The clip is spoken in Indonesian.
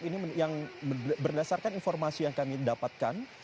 ini yang berdasarkan informasi yang kami dapatkan